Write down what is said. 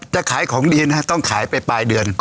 จะขายของดีนะต้องขายไปปลายเดือน